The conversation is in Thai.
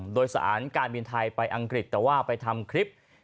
โดยสารการบินไทยไปอังกฤษแต่ว่าไปทำคลิป